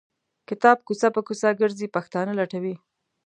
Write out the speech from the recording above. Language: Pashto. کتاب کوڅه په کوڅه ګرځي پښتانه لټوي.